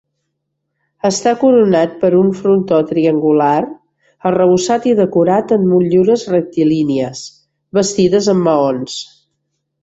Està coronat per un frontó triangular arrebossat i decorat amb motllures rectilínies bastides amb maons.